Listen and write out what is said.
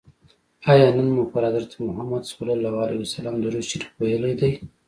آیا نن مو پر حضرت محمد صلی الله علیه وسلم درود شریف ویلي دی؟